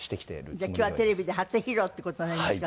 じゃあ今日はテレビで初披露って事になりますかね。